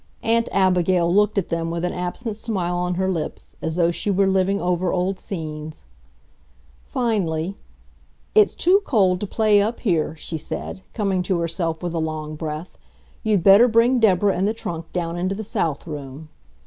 Aunt Abigail looked at them with an absent smile on her lips, as though she were living over old scenes. [Illustration: Betsy and Ellen and the old doll.] Finally, "It's too cold to play up here," she said, coming to herself with a long breath. "You'd better bring Deborah and the trunk down into the south room."